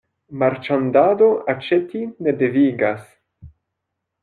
Marĉandado aĉeti ne devigas.